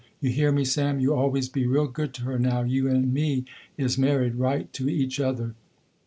You hear me Sam, you always be real good to her now you and me is married right to each other."